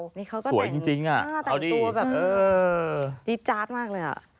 นี่เขาก็แต่งตัวแบบดิจาร์ดมากเลย